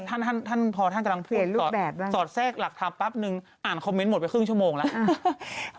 ท่านพอท่านกำลังพูดสอดแทรกหลักธรรมแป๊บนึงอ่านคอมเมนต์หมดไปครึ่งชั่วโมงแล้ว